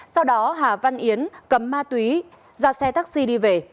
sau đó hà văn yến cấm ma túy ra xe taxi đi về